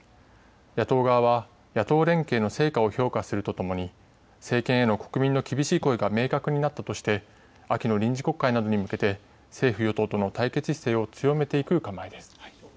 野党側は野党連携の成果を評価するとともに、政権への国民の厳しい声が明確になったとして秋の臨時国会などに向けて、政府与党との対決姿勢を強めていく構えです。